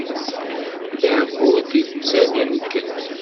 Ddheb ur t-ittali nnkel.